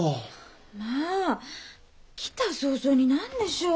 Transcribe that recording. まあ来た早々に何でしょう。